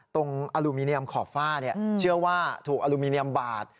ตรงอลูมิเนียมขอบฝ้าเชื่อว่าถูกอลูมิเนียมบาด